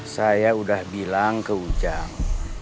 saya udah bilang ke ujang